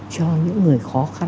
cho những người khó khăn